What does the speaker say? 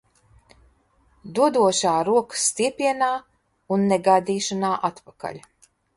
Dodošā rokas stiepienā un negaidīšanā atpakaļ.